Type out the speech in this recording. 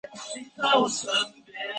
圣热内德卡斯蒂隆。